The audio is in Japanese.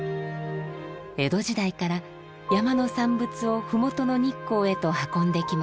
江戸時代から山の産物を麓の日光へと運んできました。